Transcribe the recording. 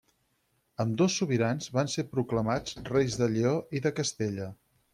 Ambdós sobirans van ser proclamats reis de Lleó i de Castella.